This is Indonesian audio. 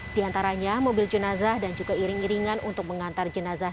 di antaranya mobil jenazah dan juga iring iringan untuk mengantar jenazah